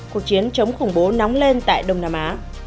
cuộc chiến chống khủng bố nóng lên tại đông nam á